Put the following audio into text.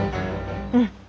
うん。